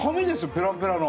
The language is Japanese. ペラペラの。